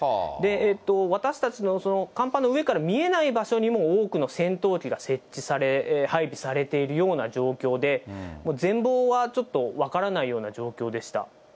私たちの、甲板の上から見えない場所にも多くの戦闘機が設置され、配備されているような状況で、もう全ぼうはちょっと分からないような状況でした。